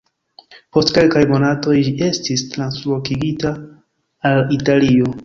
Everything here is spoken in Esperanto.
Post kelkaj monatoj, ĝi estis translokigita al Italio.